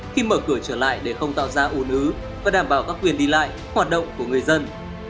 khi mở cửa trở lại để không tạo ra ủ nứ và đảm bảo các quyền đi lại hoạt động của người dân